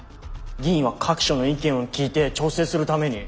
議員は各所の意見を聞いて調整するために。